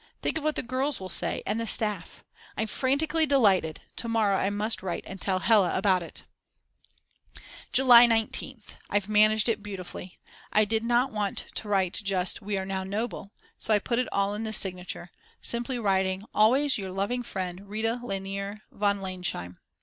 Think of what the girls will say, and the staff! I'm frantically delighted. To morrow I must write and tell Hella all about it. July 19th. I've managed it beautifully. I did not want to write just: We are now noble, so I put it all in the signature, simply writing Always your loving friend Rita Lainer von Lainsheim.